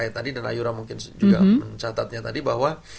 tadi dan ayura mungkin juga mencatatnya tadi bahwa